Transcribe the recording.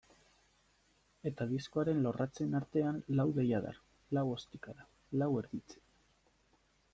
Eta diskoaren lorratzen artean lau deiadar, lau ostikada, lau erditze.